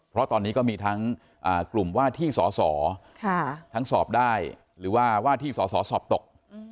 เพราะตอนนี้ก็มีทั้งกลุ่มว่าที่สอสอทั้งสอบได้หรือว่าว่าที่สอสอสอบตก